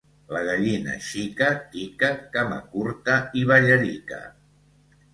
La gallina xica, tica, camacurta i ballarica.